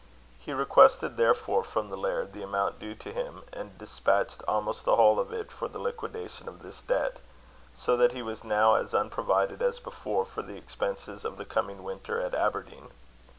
He requested, therefore, from the laird, the amount due to him, and despatched almost the whole of it for the liquidation of this debt, so that he was now as unprovided as before for the expenses of the coming winter at Aberdeen.